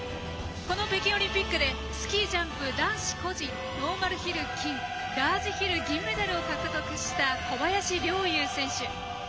この北京オリンピックでスキー男子個人ノーマルヒル、金ラージヒル銀メダルを獲得した小林陵侑選手。